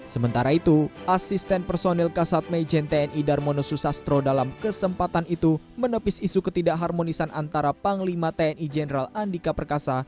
sementara itu asisten personil kasat mejen tni darmono susastro dalam kesempatan itu menepis isu ketidakharmonisan antara panglima tni jenderal andika perkasa